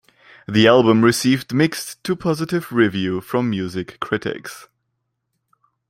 The album received mixed to positive review from music critics.